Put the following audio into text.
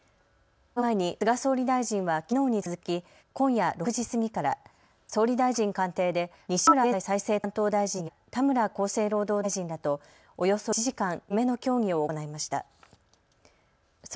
これを前に菅総理大臣はきのうに続き、今夜６時過ぎから総理大臣官邸で田村厚生労働大臣らとおよそ１時間、詰めの協議を行いました。